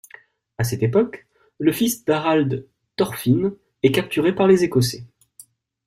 À cette époque, le fils d'Harald, Thorfinn, est capturé par les Écossais.